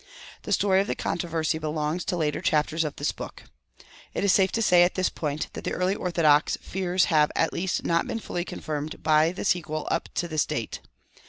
The story of the controversy belongs to later chapters of this book. It is safe to say at this point that the early orthodox fears have at least not been fully confirmed by the sequel up to this date.